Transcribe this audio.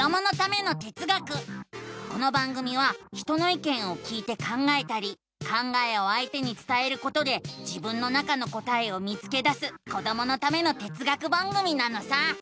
この番組は人のいけんを聞いて考えたり考えをあいてにつたえることで自分の中の答えを見つけだすこどものための哲学番組なのさ！